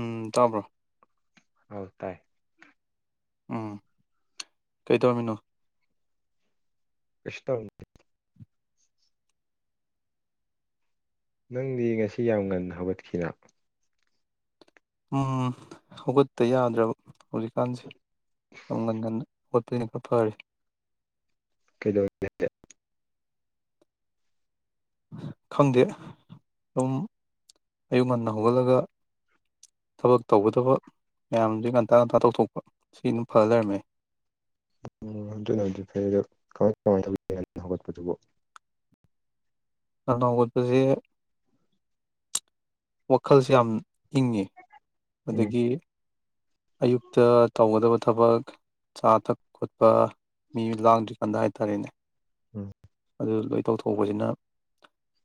ꯎꯝ ꯇꯥꯕ꯭ꯔꯣ ꯑꯧ ꯇꯥꯏ ꯎꯝ ꯀꯩ ꯇꯧꯔꯝꯃꯤꯅꯣ [unintelligible] ꯅꯪꯗꯤ ꯉꯁꯤ ꯌꯥꯝ ꯉꯟꯅ ꯍꯧꯒꯠꯈꯤꯅ ꯎꯝ ꯍꯧꯒꯠꯇ ꯌꯥꯗ꯭ꯔꯕ ꯍꯧꯖꯤꯛꯀꯥꯟꯁꯦ [unintelligible] ꯍꯣꯠꯄꯅ ꯈꯔ ꯐꯔꯦ [unintelligible] ꯈꯪꯗꯦ ꯑꯗꯨꯝ ꯑꯌꯨꯛ ꯉꯟꯅ ꯍꯧꯒꯠꯂꯒ ꯊꯕꯛ ꯇꯧꯒꯗꯕ ꯃꯌꯥꯝꯁꯤ ꯉꯟꯇꯥ ꯉꯟꯇꯥ ꯇꯧꯊꯣꯛꯄ ꯁꯤ ꯑꯗꯨꯝ ꯐꯔ ꯂꯩꯔꯝꯃꯦ ꯎꯝ ꯑꯗꯨꯅ ꯍꯧ ꯐꯗꯃꯥꯏ ꯀꯃꯥꯏꯅ [unintelligible] ꯍꯧꯒꯠꯄꯗꯨꯕꯨ ꯉꯟꯅ ꯍꯧꯒꯠꯄꯁꯦ ꯋꯥꯈꯜꯁꯦ ꯌꯥꯝ ꯏꯪꯉꯤ ꯎꯝ ꯑꯗꯒꯤ ꯑꯌꯨꯛꯇ ꯇꯧꯒꯗꯕ ꯊꯕꯛ ꯆꯥ ꯊꯛ ꯈꯣꯠꯄ ꯃꯤ ꯂꯥꯡꯗꯔ꯭ꯤꯀꯥꯟꯗ ꯍꯥꯏ ꯇꯔꯦꯅꯦ ꯎꯝ ꯑꯗꯨ ꯂꯣꯏ ꯇꯧꯊꯣꯛꯍꯧꯕꯁꯤꯅ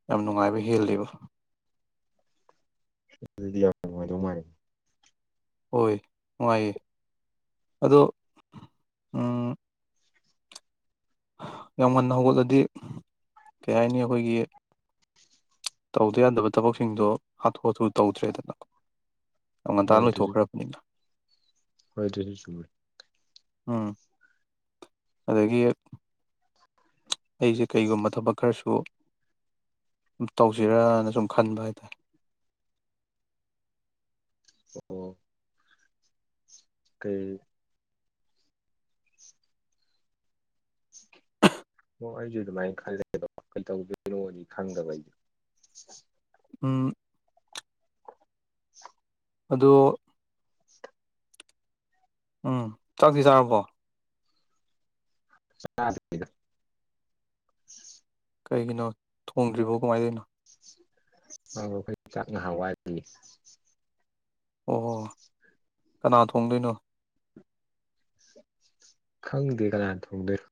ꯌꯥꯝ ꯅꯨꯡꯉꯥꯏꯕ ꯍꯦꯜꯂꯤꯕ ꯑꯗꯨꯗꯤ ꯌꯥꯝ ꯅꯨꯡꯉꯥꯏꯗꯧ ꯃꯥꯜꯂꯤ ꯍꯣꯏ ꯅꯨꯡꯉꯥꯏꯌꯦ ꯑꯗꯣ ꯎꯝ ꯌꯥꯝ ꯉꯟꯅ ꯍꯧꯒꯠꯂꯗꯤ ꯀꯩ ꯍꯥꯏꯅꯤ ꯑꯩꯈꯣꯏꯒꯤ ꯇꯧꯗ ꯌꯥꯗꯕ ꯊꯕꯛꯁꯤꯡꯗꯣ ꯍꯥꯊꯨ ꯍꯥꯊꯨ ꯇꯧꯗ꯭ꯔꯦꯗꯅ ꯑꯃ ꯉꯟꯇꯥ ꯍꯣꯏ ꯑꯗꯨꯁꯨ ꯂꯣꯏꯊꯣꯛꯈ꯭ꯔꯕꯅꯤꯅ ꯍꯣꯏ ꯑꯗꯨꯁꯨ ꯆꯨꯝꯃꯦ ꯑꯝ ꯑꯗꯒꯤ ꯑꯩꯁꯦ ꯀꯩꯒꯨꯝꯕ ꯊꯕꯛ ꯈꯔꯁꯨ ꯇꯧꯁꯤꯔꯅ ꯁꯨꯝ ꯈꯟꯕ ꯍꯥꯏꯇꯥꯔꯦ ꯑꯣ ꯀꯩ ꯑꯣ ꯑꯩꯁꯨ ꯑꯗꯨꯃꯥꯏꯅ ꯈꯜꯂꯒꯦꯗ ꯀꯩꯗꯧꯗꯣꯏꯅꯣꯗꯤ ꯈꯪꯗꯕ ꯑꯩꯗꯨ ꯎꯝ ꯑꯗꯣ ꯎꯝ ꯆꯥꯛꯇꯤ ꯆꯥꯔꯕꯣ ꯆꯗꯔ꯭ꯤꯗ ꯀꯩꯒꯤꯅꯣ ꯊꯣꯡꯗ꯭ꯔꯤꯕꯣ ꯀꯃꯥꯏ ꯇꯧꯔꯤꯅꯣ ꯑ ꯑꯩꯈꯣꯏ ꯆꯥꯛ ꯉꯥꯏꯍꯥꯛ ꯋꯥꯠꯂꯤꯌꯦ ꯑꯣ ꯀꯅꯥ ꯊꯣꯡꯗꯣꯏꯅꯣ ꯈꯪꯗꯦ ꯀꯅꯥꯅ ꯊꯣꯡꯗꯨꯏꯅꯣ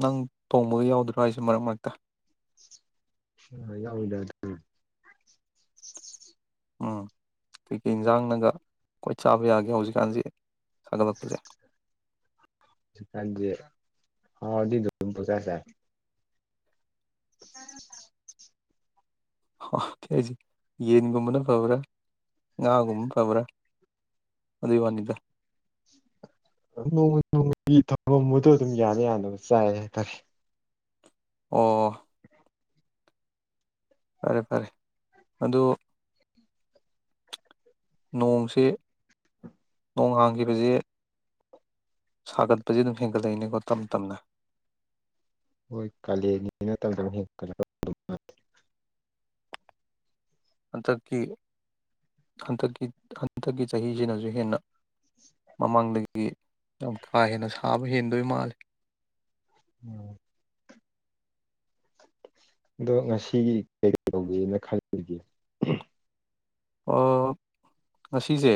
ꯅꯪ ꯊꯣꯡꯕꯒ ꯌꯥꯎꯗ꯭ꯔꯣ ꯍꯥꯏꯁꯦ ꯃꯔꯛ ꯃꯔꯛꯇ ꯑ ꯌꯥꯎꯋꯤꯗ ꯑꯗꯨ ꯎꯝ ꯀꯩꯀꯩ ꯏꯟꯁꯥꯡꯅꯒ ꯈꯋ꯭ꯥꯏ ꯆꯥꯕ ꯌꯥꯒꯦ ꯍꯧꯖꯤꯛꯀꯥꯟꯁꯦ ꯁꯥꯒꯠꯂꯛꯄꯁꯦ ꯈꯪꯗꯦ ꯍꯥꯎꯔꯗꯤ ꯑꯗꯨꯝ ꯄꯪꯆꯥ ꯆꯥꯏ [unintelligible] ꯀꯁ ꯌꯦꯟꯒꯨꯝꯕꯅ ꯐꯕ꯭ꯔꯥ ꯉꯥꯒꯨꯝꯕ ꯐꯕ꯭ꯔꯥ ꯑꯗꯨꯏꯒꯤ ꯋꯥꯅꯤꯗ ꯅꯣꯡꯃ ꯅꯣꯡꯃꯒꯤ ꯊꯧꯐꯝꯕꯨꯗꯣ ꯑꯗꯨꯝ ꯌꯥꯅ ꯌꯥꯅꯕ ꯆꯥꯏ ꯍꯥꯏꯇꯥꯔꯦ ꯑꯣ ꯐꯔꯦ ꯐꯔꯦ ꯑꯗꯨ ꯅꯣꯡꯁꯤ ꯅꯣꯡ ꯍꯥꯡꯈꯤꯕꯖꯤ ꯁꯥꯒꯠꯄꯖꯦ ꯑꯗꯨꯝ ꯍꯦꯟꯒꯠꯂꯛꯏꯅꯦꯀꯣ ꯇꯞ ꯇꯞꯅ ꯍꯣꯏ ꯀꯥꯂꯦꯟꯒꯤ [unintelligible] ꯍꯟꯇꯛꯀꯤ ꯍꯟꯇꯛꯀꯤ ꯍꯟꯇꯛꯀꯤ ꯆꯍꯤꯁꯤꯅꯁꯨ ꯍꯦꯟꯅ ꯃꯃꯥꯡꯗꯒꯤ ꯌꯥꯝ ꯀꯥ ꯍꯦꯟꯅ ꯁꯥꯕ ꯍꯦꯟꯗꯣꯏ ꯃꯥꯜꯂꯦ ꯎꯝ ꯑꯗꯣ ꯉꯁꯤꯒꯤ ꯀꯩ ꯇꯧꯒꯦꯅ ꯈꯜꯂꯤꯒꯦ ꯑꯥ ꯉꯁꯤꯁꯦ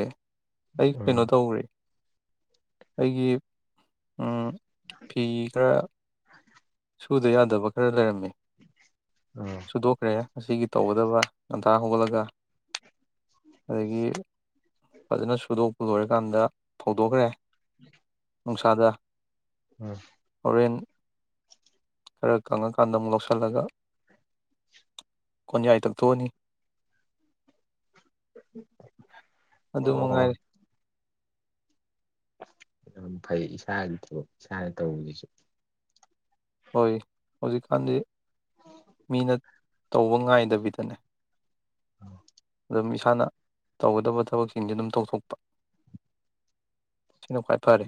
ꯑꯩ ꯀꯩꯅꯣ ꯑꯥ ꯇꯧꯔꯦ ꯑꯩꯒꯤ ꯎꯝ ꯐꯤꯈꯔꯥ ꯁꯨꯗ ꯌꯥꯗꯕ ꯈꯔ ꯂꯩꯔꯝꯃꯦ ꯑꯥ ꯁꯨꯗꯣꯛꯈꯔꯦ ꯉꯥꯁꯤꯒꯤ ꯇꯧꯒꯗꯕ ꯍꯧꯒꯠꯂꯒ ꯑꯗꯒꯤ ꯐꯖꯅ ꯁꯨꯗꯣꯛꯄ ꯂꯣꯏꯔꯀꯥꯟꯗ ꯐꯧꯗꯣꯛꯈ꯭ꯔꯦ [inaudible] ꯅꯨꯡꯁꯥꯗ ꯑꯥ ꯍꯣꯔꯦꯟ ꯈꯔ ꯀꯪꯉꯀꯥꯟꯗ ꯑꯃꯨꯛ ꯂꯧꯁꯜꯂꯒ ꯀꯣꯟꯌꯥꯏ ꯇꯛꯊꯣꯛꯑꯅꯤ ꯑꯗꯨ ꯑꯣ ꯑꯣ ꯃꯉꯥꯏꯔꯤ ꯌꯥꯝ ꯐꯩ ꯏꯁꯥꯒꯤꯗꯨ ꯏꯁꯥꯅ ꯇꯧꯕꯁꯤꯁꯨ ꯍꯣꯏ ꯍꯧꯖꯤꯛꯀꯥꯟꯗꯤ ꯃꯤꯅ ꯇꯧꯕ ꯉꯥꯏꯗꯕꯤꯗꯅꯦ [unintelligible] ꯑꯗꯨꯝ ꯏꯁꯥꯅ ꯇꯧꯒꯗꯕ ꯊꯕꯛꯁꯤꯡꯁꯦ ꯑꯗꯨꯝ ꯇꯧꯊꯣꯛꯄ ꯁꯤꯅ ꯈ꯭ꯋꯥꯏ ꯐꯔꯦ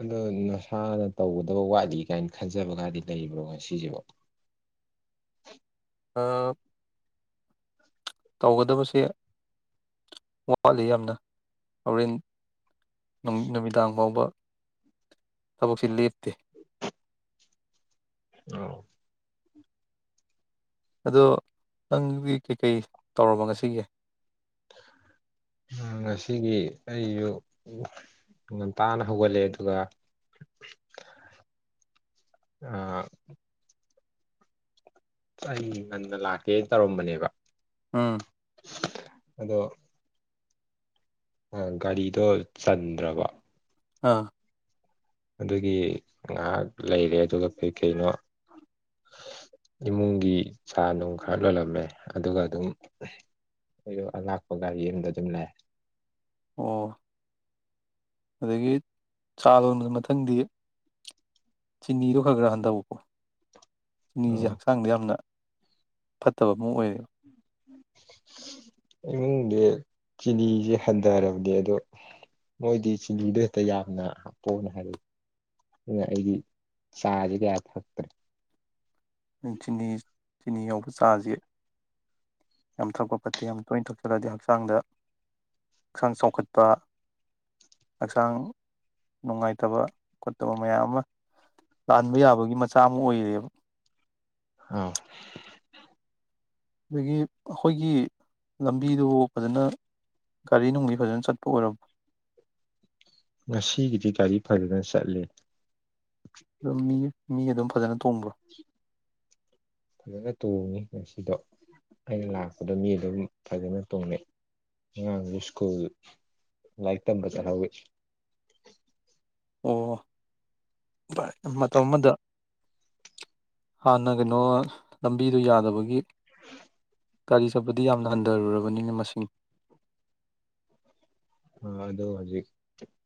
ꯑꯗꯣ ꯅꯁꯥꯅ ꯇꯧꯒꯗꯕ ꯋꯥꯠꯂꯤ ꯀꯥꯏꯅ ꯈꯟꯖꯕꯒꯗꯤ ꯂꯩꯕ꯭ꯔꯣ ꯉꯥꯁꯤꯖꯤꯕꯣ ꯇꯧꯒꯗꯕꯁꯦ ꯋꯥꯠꯂꯤ ꯌꯥꯝꯅ ꯍꯣꯔꯦꯟ ꯅꯨꯃꯤꯗꯥꯡ ꯐꯥꯎꯕ ꯊꯕꯛꯁꯦ ꯂꯦꯞꯇꯦ ꯑꯣ ꯑꯗꯣ ꯅꯪꯗꯤ ꯀꯩꯀꯩ ꯇꯧꯔꯝꯕ ꯉꯁꯤꯒꯤ ꯉꯁꯤꯒꯤ ꯑꯩꯁꯨ ꯉꯟꯇꯥꯅ ꯍꯧꯒꯠꯂꯦ ꯑꯗꯨꯒ ꯑꯥ ꯑꯩ ꯉꯟꯅ ꯂꯥꯛꯀꯦꯅ ꯇꯧꯔꯝꯕꯅꯦꯕ ꯑꯝ ꯑꯗꯣ ꯒꯥꯔꯤꯗꯣ ꯆꯟꯗ꯭ꯔꯕ ꯑꯥ ꯑꯗꯨꯒꯤ ꯉꯥꯏꯍꯥꯛ ꯂꯩꯔꯦ ꯑꯗꯨꯒ ꯀꯩꯀꯩꯅꯣ ꯏꯃꯨꯡꯒꯤ ꯆꯥ ꯅꯨꯡ ꯈꯔ ꯂꯣꯜꯂꯝꯃꯦ ꯑꯗꯨꯒ ꯑꯗꯨꯝ ꯑꯩꯗꯣ ꯑꯂꯛꯄ ꯒꯥꯔꯤ ꯑꯝꯗ ꯑꯗꯨꯝ ꯂꯛꯑꯦ ꯑꯣ ꯑꯗꯒꯤ ꯆꯥ ꯂꯣꯟꯕꯗ ꯃꯊꯪꯗꯤ ꯆꯤꯅꯤꯗꯣ ꯈꯔ ꯈꯔ ꯍꯟꯗꯧꯀꯣ ꯆꯤꯅꯤꯁꯦ ꯑꯣ ꯍꯛꯆꯥꯡꯗ ꯌꯥꯝꯅ ꯐꯠꯇꯕ ꯑꯃ ꯑꯣꯏꯔꯦ ꯏꯃꯨꯡꯗꯤ ꯆꯤꯅꯤꯁꯦ ꯍꯟꯗꯔꯕꯅꯤ ꯑꯗꯣ ꯃꯣꯏꯗꯤ ꯆꯤꯅꯤꯗꯣ ꯍꯦꯛꯇ ꯌꯥꯝꯅ ꯍꯥꯞꯄꯛꯑꯣꯅ ꯍꯥꯏꯔꯛꯑꯦ ꯑꯗꯨꯅ ꯑꯩꯗꯤ ꯆꯥꯥꯖꯦ ꯀꯌꯥ ꯊꯛꯇ꯭ꯔꯦ ꯆꯤꯅꯤ ꯆꯤꯅꯤ ꯌꯥꯎꯕ ꯆꯥꯁꯤ ꯌꯥꯝ ꯊꯛꯄ ꯐꯠꯇꯦ ꯌꯥꯝ ꯇꯣꯏꯅ ꯊꯛꯆꯜꯂꯛꯑꯗꯤ ꯍꯛꯆꯥꯡꯗ ꯍꯛꯆꯥꯡ ꯆꯥꯎꯈꯠꯄ ꯍꯛꯆꯥꯡ ꯅꯨꯡꯉꯥꯏꯇꯕ ꯈꯣꯠꯇꯕ ꯃꯌꯥꯝ ꯑꯃ ꯂꯥꯍꯟꯕ ꯌꯥꯕꯒꯤ ꯃꯆꯥꯛ ꯑꯃ ꯑꯣꯏꯔꯦꯕ ꯑꯝ ꯑꯩꯈꯣꯏꯒꯤ ꯂꯝꯕꯤꯗꯨꯕꯨ ꯐꯖꯅ ꯒꯥꯔꯤ ꯅꯨꯡꯂꯤ ꯐꯖꯅ ꯆꯠꯄ ꯑꯣꯏꯔꯕꯣ ꯉꯁꯤꯒꯤꯗꯤ ꯒꯥꯔꯤ ꯐꯖꯅ ꯆꯠꯂꯦ ꯂꯧꯅꯤ ꯃꯤ ꯑꯗꯨꯝ ꯐꯖꯅ ꯇꯣꯡꯕ꯭ꯔꯣ ꯐꯖꯅ ꯇꯇꯣꯡꯏ ꯁꯤꯗꯣ ꯑꯩꯅ ꯂꯥꯛꯄꯗꯣ ꯃꯤ ꯑꯗꯨꯝ ꯐꯖꯅ ꯇꯣꯡꯅꯩ ꯑꯉꯥꯡꯁꯨ ꯁ꯭ꯀꯨꯜ ꯂꯥꯏꯔꯤꯛ ꯇꯝꯕ ꯆꯠꯍꯧꯋꯤ ꯑꯣ ꯕꯥꯏ ꯃꯇꯝ ꯑꯃꯗ ꯍꯥꯟꯅ ꯀꯩꯅꯣ ꯂꯝꯕꯤꯗꯨꯣ ꯌꯥꯗꯕꯒꯤ ꯒꯥꯔꯤ ꯆꯠꯄꯗꯤ ꯌꯥꯝꯅ ꯍꯟꯊꯔꯨꯔꯕꯅꯤꯅ ꯃꯁꯤꯡꯅꯤ ꯑ ꯑꯗꯨ ꯍꯧꯖꯤꯛ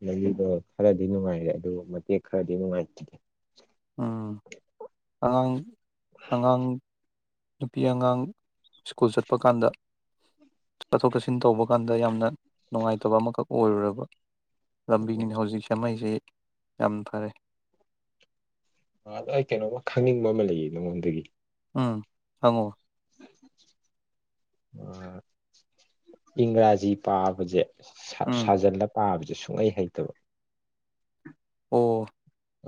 ꯂꯝꯕꯤꯗꯣ ꯈꯔꯗꯤ ꯅꯨꯡꯉꯥꯏꯔꯦ ꯑꯗꯨ ꯃꯇꯦꯛ ꯈꯔꯗꯤ ꯅꯨꯡꯉꯥꯏꯇꯗꯦ ꯎꯝ ꯑꯉꯥꯡ ꯑꯉꯥꯡ ꯅꯨꯄꯤ ꯑꯉꯥꯡ ꯁ꯭ꯀꯨꯜ ꯆꯠꯄ ꯀꯥꯟꯗ ꯆꯠꯊꯣꯛ ꯆꯠꯁꯤꯟ ꯇꯧꯕ ꯀꯥꯟꯗ ꯌꯥꯝꯅ ꯅꯨꯡꯉꯥꯏꯇꯕ ꯑꯃꯈꯛ ꯑꯣꯏꯔꯨꯔꯕ ꯂꯝꯕꯤꯅꯤꯅꯦ ꯍꯧꯖꯤꯛ ꯁꯦꯝꯃꯛꯏꯁꯦ ꯌꯥꯝ ꯐꯔꯦ ꯑꯗꯣ ꯑꯩ ꯀꯩꯅꯣꯝꯃ ꯈꯪꯅꯤꯡꯕ ꯑꯃ ꯂꯩꯌꯦ ꯅꯉꯣꯟꯗꯒꯤ ꯎꯝ ꯍꯪꯉꯣ ꯑꯥ ꯏꯪꯒꯔꯥꯖꯤ ꯄꯥꯕꯁꯦ ꯎꯝ ꯁꯥꯖꯜꯂ ꯄꯥꯕꯁꯦ ꯁꯨꯡ ꯁꯨꯡꯍꯩ ꯍꯩꯇꯕ ꯑꯣ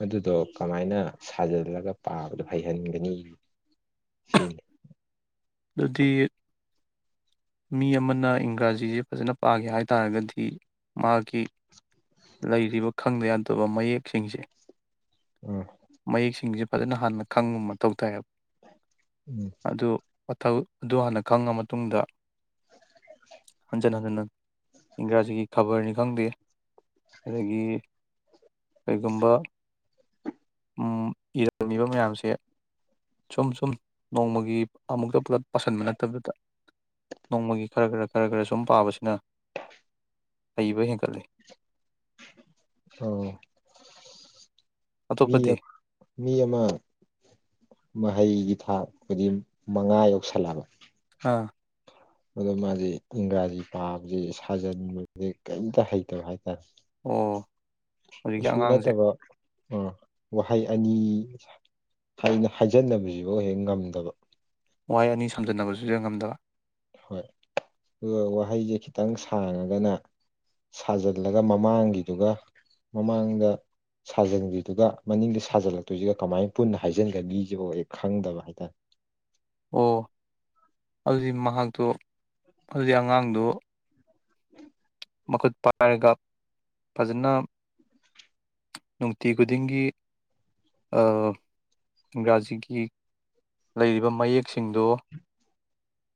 ꯑꯗꯨꯗꯣ ꯀꯃꯥꯏꯅ ꯁꯥꯖꯤꯜꯂꯒ ꯄꯥꯕꯗꯣ ꯍꯩꯍꯟꯒꯅꯤ ꯁꯤꯅꯤ ꯑꯗꯨꯗꯤ ꯃꯤ ꯑꯃꯅ ꯏꯪꯒ꯭ꯔꯥꯖꯤꯁꯦ ꯐꯖꯅ ꯄꯥꯒꯦ ꯍꯥꯏ ꯇꯥꯔꯒꯗꯤ ꯃꯥꯒꯤ ꯂꯩꯔꯤꯕ ꯈꯪꯗ ꯌꯥꯗꯕ ꯃꯌꯦꯛꯁꯤꯡꯁꯦ ꯎꯝ ꯃꯌꯦꯛꯁꯤꯡꯁꯦ ꯐꯖꯅ ꯍꯥꯟꯅ ꯈꯪꯕ ꯃꯊꯧ ꯇꯥꯏꯌꯦꯕ ꯎꯝ ꯃꯊꯛ ꯑꯗꯨ ꯍꯥꯟꯅ ꯈꯪꯉ ꯃꯇꯨꯡꯗ ꯍꯟꯖꯤꯟ ꯍꯟꯖꯤꯟ ꯏꯪꯒ꯭ꯔꯥꯖꯤꯒꯤ ꯈꯕꯔꯅꯤ ꯈꯪꯗꯦ ꯑꯗꯒꯤ ꯀꯩꯒꯨꯝꯕ ꯎꯃ ꯏꯔꯝꯉꯤꯕ ꯃꯌꯥꯝꯁꯦ ꯁꯨꯝ ꯁꯨꯝ ꯅꯣꯡꯃꯒꯤ ꯑꯃꯨꯛꯇ ꯄꯨꯂꯞ ꯄꯥꯁꯟꯕ ꯅꯠꯇꯕꯤꯗ ꯅꯣꯡꯃꯒꯤ ꯈꯔ ꯈꯔ ꯈꯔ ꯈꯔ ꯁꯨꯝ ꯄꯥꯕꯁꯤꯅ ꯍꯩꯕ ꯍꯦꯟꯀꯠꯂꯦ ꯑꯣ ꯃꯤ ꯑꯇꯣꯞꯄꯗꯤ ꯃꯤ ꯑꯥꯃꯥ ꯃꯍꯩꯒꯤ ꯊꯥꯛꯄꯗꯤ ꯃꯉꯥ ꯌꯧꯁꯜꯂꯛꯕ ꯑꯥ ꯑꯗꯣ ꯃꯥꯁꯦ ꯏꯪꯒꯔꯥꯖꯤ ꯄꯥꯕꯁꯤ ꯁꯥꯖꯟꯕꯁꯦ ꯀꯔꯤꯝꯇ ꯍꯩꯇꯕ ꯍꯥꯏꯔꯦ ꯑꯣ ꯍꯧꯖꯤꯛꯀꯤ ꯀꯩꯁꯨ ꯑꯉꯥꯡꯁꯦ ꯅꯠꯇꯕ ꯑ ꯋꯥꯍꯩ ꯑꯅꯤ ꯍꯥꯏ ꯍꯥꯏꯖꯟꯅꯁꯤꯕꯨ ꯍꯦꯛ ꯉꯝꯗꯕ ꯋꯥꯍꯩ ꯑꯅꯤ ꯁꯝꯖꯟꯅꯕꯁꯤꯁꯨ ꯍꯦꯛ ꯉꯝꯗꯕ ꯍꯣꯏ ꯑꯗꯨꯒ ꯋꯥꯍꯩꯁꯦ ꯈꯤꯇꯪ ꯁꯥꯡꯉꯒꯅ ꯁꯥꯖꯜꯂꯒ ꯃꯃꯥꯡꯒꯤꯗꯨꯒ ꯃꯃꯥꯡꯗ ꯁꯥꯖꯤꯟꯒꯤꯗꯨꯒ ꯃꯅꯤꯡꯗ ꯁꯥꯖꯤꯜꯂꯛꯇꯣꯏꯁꯤꯒ ꯀꯃꯥꯏꯅ ꯄꯨꯟꯅ ꯍꯥꯏꯖꯤꯟꯒꯅꯤꯁꯦꯕꯦꯛ ꯈꯪꯗꯕ ꯍꯥꯏꯇꯥꯔꯦ ꯑꯣ ꯑꯗꯨ ꯃꯍꯥꯛꯇꯣ ꯑꯗꯨ ꯑꯉꯥꯡꯗꯣ ꯃꯈꯨꯠ ꯄꯥꯏꯔꯒ ꯐꯖꯅ ꯅꯨꯡꯇꯤ ꯈꯨꯗꯤꯡꯒꯤ ꯑ ꯏꯪꯒ꯭ꯔꯥꯖꯤꯒꯤ ꯂꯩꯔꯤꯕ ꯃꯌꯦꯛꯁꯤꯡꯗꯣ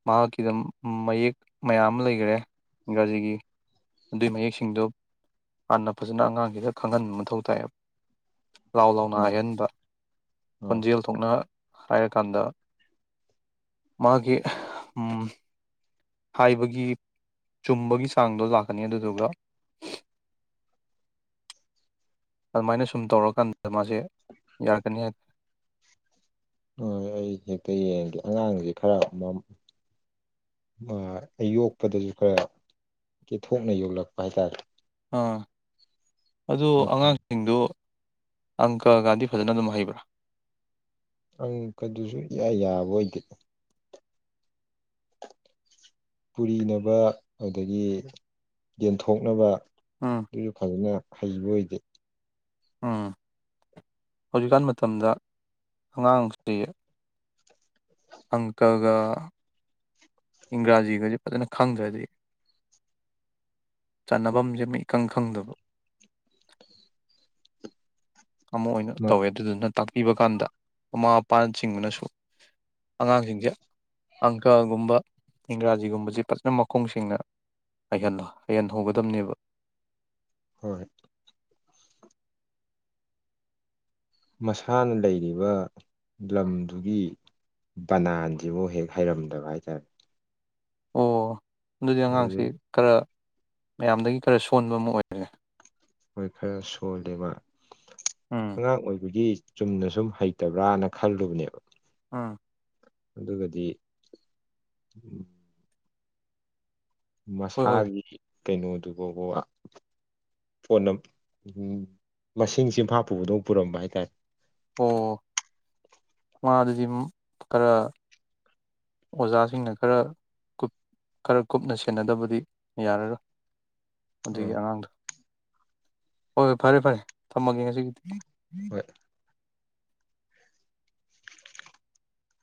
ꯃꯍꯥꯛꯀꯤꯗ ꯃꯌꯦꯛ ꯃꯌꯥꯝ ꯑꯃ ꯂꯩꯈꯔꯦ ꯏꯪꯒ꯭ꯔꯥꯖꯤꯒꯤ ꯑꯗꯨꯏ ꯃꯌꯦꯛꯁꯤꯡꯗꯣ ꯍꯥꯟꯅ ꯐꯖꯅ ꯑꯉꯥꯡꯁꯤꯗ ꯈꯪꯍꯟꯕ ꯃꯊꯧ ꯇꯥꯏꯌꯦꯕ ꯂꯥꯎ ꯂꯥꯎꯅ ꯍꯥꯏꯍꯟꯕ ꯑꯣ ꯈꯣꯟꯖꯦꯜ ꯊꯣꯛꯅ ꯍꯥꯏꯔꯀꯥꯟꯗ ꯃꯥꯒꯤ ꯎꯝ ꯍꯥꯏꯕꯒꯤ ꯆꯨꯝꯕꯒꯤ ꯆꯥꯡꯗꯣ ꯂꯥꯛꯀꯅꯤ ꯑꯗꯨꯗꯨꯒ ꯑꯗꯨꯃꯥꯏꯅ ꯁꯨꯝ ꯇꯧꯔꯀꯥꯟꯗ ꯃꯥꯁꯦ ꯌꯥꯔꯛꯀꯅꯤ ꯍꯣꯏ ꯑꯩ ꯍꯥꯏꯐꯦꯠ ꯌꯦꯡꯉꯒꯦ ꯑꯉꯥꯡꯁꯦ ꯈꯔ ꯗꯨꯝ ꯌꯣꯛꯄꯗꯁꯨ ꯈꯔ ꯀꯦꯊꯣꯛꯅ ꯌꯣꯛꯂꯛꯄ ꯍꯥꯏ ꯇꯔꯦ ꯑꯥ ꯑꯗꯨ ꯑꯉꯥꯡꯁꯤꯡꯗꯨ ꯑꯪꯀ ꯒꯥꯗꯤ ꯐꯖꯅ ꯑꯗꯨꯝ ꯍꯩꯕ꯭ꯔꯥ ꯑꯪꯀ ꯗꯨꯁꯨ ꯏꯌꯥ ꯌꯥꯕ ꯑꯣꯏꯗꯦ ꯄꯨꯔꯤꯅꯕ ꯑꯗꯨꯗꯒꯤ ꯌꯦꯟꯊꯣꯛꯅꯕ ꯎꯝ ꯑꯗꯨꯁꯨ ꯐꯖꯅ ꯍꯩꯕ ꯑꯣꯏꯗꯦ ꯎꯝ ꯍꯧꯖꯤꯛꯀꯥꯟ ꯃꯇꯝꯗ ꯑꯉꯥꯡꯁꯤ ꯑꯪꯀꯒ ꯏꯪꯒ꯭ꯔꯥꯖꯤꯒꯁꯦ ꯐꯖꯅ ꯈꯪꯗ꯭ꯔꯗꯤ ꯆꯟꯅꯐꯝꯁꯦ ꯏꯈꯪ ꯈꯪꯗꯕ ꯑꯃ ꯑꯣꯏꯅ ꯇꯧꯋꯦ ꯑꯗꯨꯗꯨꯅ ꯇꯥꯛꯄꯤꯕ ꯀꯥꯟꯗ ꯃꯃꯥ ꯃꯄꯥꯅ ꯆꯤꯡꯕꯅꯁꯨ ꯑꯉꯥꯡꯁꯤꯡꯁꯦ ꯑꯪꯀꯒꯨꯝꯕ ꯏꯪꯒ꯭ꯔꯥꯖꯤꯒꯨꯝꯕꯁꯦ ꯐꯖꯅ ꯃꯈꯣꯡꯁꯤꯡꯅ ꯍꯩꯍꯟꯕ ꯍꯩꯍꯟꯍꯧꯒꯗꯕꯅꯦꯕ ꯍꯣꯏ ꯃꯁꯥꯅ ꯂꯩꯔꯤꯕ ꯂꯝꯗꯨꯒꯤ ꯕꯅꯥꯟꯖꯤꯕꯥꯎ ꯍꯦꯛ ꯍꯩꯔꯝꯗꯕ ꯍꯥꯏꯇꯥꯔꯦ ꯑꯣ ꯑꯗꯨꯗꯤ ꯑꯉꯥꯡꯁꯤ ꯑꯗꯨꯗꯒꯤ ꯈꯔ ꯃꯌꯥꯝꯗꯒꯤ ꯈꯔ ꯁꯣꯟꯕ ꯑꯃ ꯑꯣꯏꯔꯦ ꯍꯣꯏ ꯈꯔ ꯁꯣꯜꯂꯦꯕ ꯎꯝ ꯑꯉꯥꯡ ꯑꯣꯏꯕꯒꯤ ꯆꯨꯝꯅ ꯁꯨꯝ ꯍꯩꯇꯕ꯭ꯔꯥꯅ ꯈꯜꯂꯨꯕꯅꯦꯕ ꯑꯥ ꯑꯗꯨꯒꯗꯤ ꯍꯣꯏ ꯍꯣꯏ ꯃꯁꯥꯒꯤ ꯀꯩꯅꯣꯗꯨ ꯐꯥꯎꯕ ꯍꯣꯠꯅ ꯃꯁꯤꯡ ꯆꯤꯟꯐꯥ ꯄꯨꯕꯗꯧ ꯄꯨꯔꯝꯕ ꯍꯥꯏꯇꯥꯔꯦ ꯑꯣ ꯃꯥ ꯑꯗꯨꯗꯤ ꯈꯔ ꯑꯣꯖꯥꯁꯤꯡꯅ ꯈꯔ ꯀꯨꯞ ꯈꯔ ꯀꯨꯞꯅ ꯁꯦꯟꯅꯗꯕꯗꯤ ꯌꯥꯔꯔꯣꯏ ꯑꯗꯨꯏ ꯑꯥ ꯑꯉꯥꯡꯗ ꯍꯣꯏ ꯍꯣꯏ ꯐꯔꯦ ꯐꯔꯦ ꯊꯝꯃꯒꯦ ꯉꯁꯤꯒꯤꯗꯤ